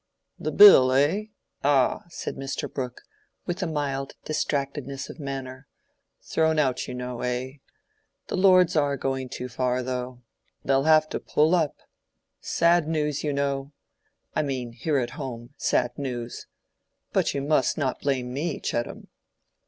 "The Bill, eh? ah!" said Mr. Brooke, with a mild distractedness of manner. "Thrown out, you know, eh? The Lords are going too far, though. They'll have to pull up. Sad news, you know. I mean, here at home—sad news. But you must not blame me, Chettam."